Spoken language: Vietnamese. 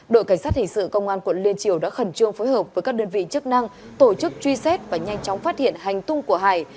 đội cảnh sát hình sự công an quận liên triều đã khẩn trương phối hợp với các đơn vị chức năng tổ chức truy xét và nhanh chóng phát hiện hành tung của hải